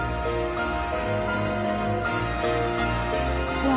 うわ。